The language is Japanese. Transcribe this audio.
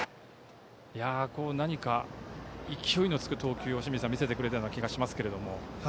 何か、勢いのつく投球を見せてくれたような気がしますが。